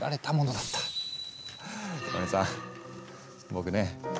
僕ね